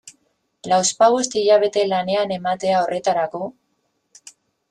Lauzpabost hilabete lanean ematea horretarako...